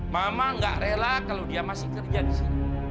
mama gak rela kalau dia masih kerja di sini